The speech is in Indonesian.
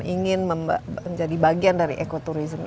ingin menjadi bagian dari ekoturism